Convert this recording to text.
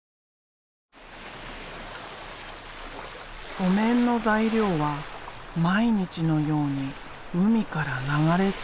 お面の材料は毎日のように海から流れ着く。